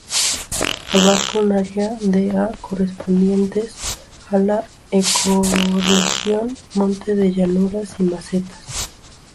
Abarca un área de ha correspondientes a la ecorregión monte de llanuras y mesetas.